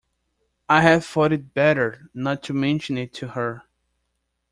I have thought it better not to mention it to her.